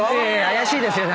「怪しいですよ」